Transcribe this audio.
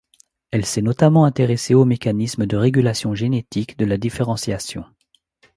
Elle s'est notamment intéressée aux mécanismes de régulation génétique de la différenciation.